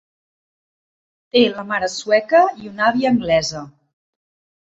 Té la mare sueca i una àvia anglesa.